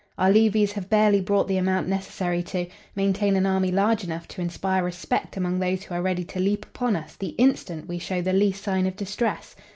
Our levies have barely brought the amount necessary to, maintain an army large enough to inspire respect among those who are ready to leap upon us the instant we show the least sign of distress.